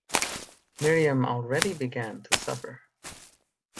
Miriam already began to suffer.